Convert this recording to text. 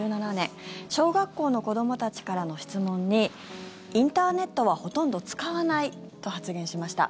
小学校の子どもたちからの質問にインターネットはほとんど使わないと発言しました。